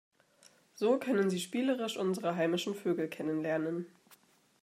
So können Sie spielerisch unsere heimischen Vögel kennenlernen.